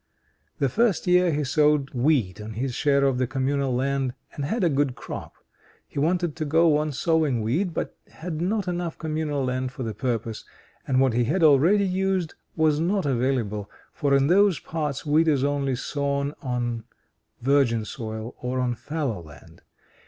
The first year, he sowed wheat on his share of the Communal land, and had a good crop. He wanted to go on sowing wheat, but had not enough Communal land for the purpose, and what he had already used was not available; for in those parts wheat is only sown on virgin soil or on fallow land.